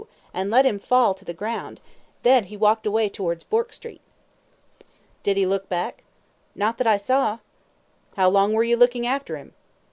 and let him fall on to the ground; then he walked away towards Bourke Street. Q. Did he look back? A. Not that I saw. Q. How long were you looking after him?